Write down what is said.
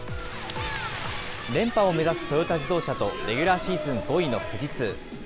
連覇を目指すトヨタ自動車と、レギュラーシーズン５位の富士通。